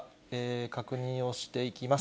確認をしていきます。